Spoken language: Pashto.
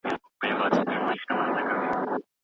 معاملې ژر بدلېږي.